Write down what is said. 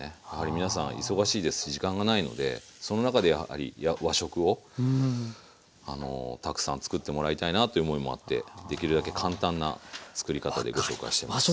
やはり皆さん忙しいですし時間がないのでその中でやはり和食をたくさん作ってもらいたいなという思いもあってできるだけ簡単な作り方でご紹介してます。